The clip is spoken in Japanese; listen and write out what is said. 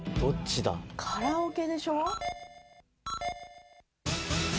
カラオケでしょ？